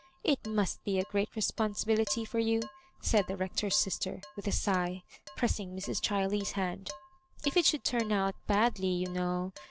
"It must be a great responsibility for you." said the Rector's sister, with a agh, pressing Mrs. Chiley's hand. "If it should turn out badly, you know